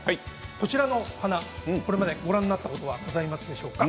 こちらの花、これまでご覧になったことございますでしょうか？